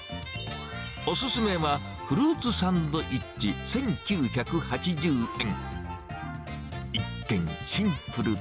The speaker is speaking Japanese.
お勧めは、フルーツサンドイッチ１９８０円。